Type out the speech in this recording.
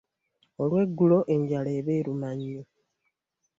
Olwegulo enjala eba ebaluma nnyo.